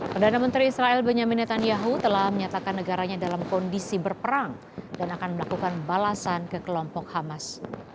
perdana menteri israel benyamin netanyahu telah menyatakan negaranya dalam kondisi berperang dan akan melakukan balasan ke kelompok hamas